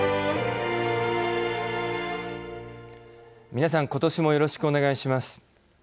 皆さん今年もよろしくお願いします。